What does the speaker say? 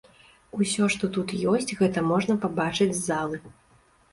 Усё што тут ёсць, гэта можна пабачыць з залы.